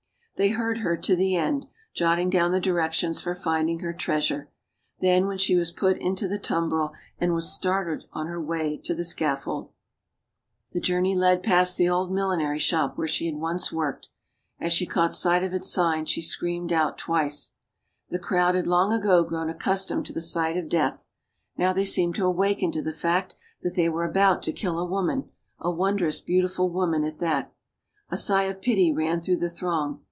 They heard her to the end, jotting down the direc tions for finding her treasure. Then she was put into the tumbril, and was started on her way to the scaffold. MADAME DU BARRY 203 The journey led past the old millinery shop where she had once worked. As she caught sight of its sign, she screamed out, twice. The crowd had long ago grown accustomed to the sight of death. Now they seemed to awaken to the fact that they were about to kill a woman, a wondrous beautiful woman, at that. A sigh of pity ran through the throng.